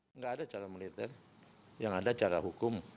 tidak ada cara militer yang ada cara hukum